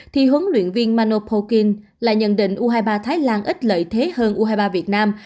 thì huấn luyện viên mano pokin lại nhận định u hai mươi ba thái lan ít lợi thế hơn u hai mươi ba việt nam